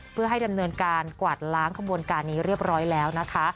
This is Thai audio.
เพื่อให้ดำเนินการกวาดล้างขบวนการนี้เรียบร้อยแล้วนะคะ